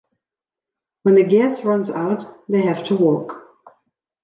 When the gas runs out, they have to walk.